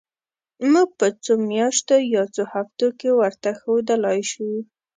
موږ په څو میاشتو یا څو هفتو کې ورته ښودلای شو.